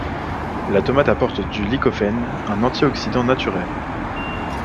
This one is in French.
La tomate apporte du lycopène, un antioxydant naturel.